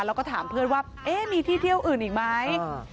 แล้วก็ถามเพื่อนว่าเอ๊ะมีที่เที่ยวอื่นอีกไหม